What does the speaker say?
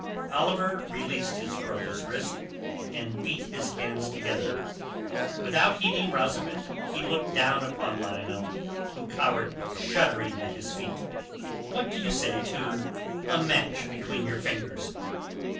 Oliver released his brother's wrist and beat his hands together. Without heeding Rosamund he looked down upon Lionel, who cowered shuddering at his feet. "What do you say to a match between your fingers?